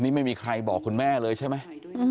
นี่ไม่มีใครบอกคุณแม่เลยใช่ไหม